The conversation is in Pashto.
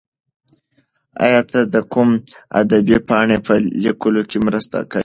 ایا ته د کوم ادبي پاڼې په لیکلو کې مرسته کوې؟